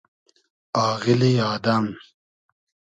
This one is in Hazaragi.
آغیلی آدئم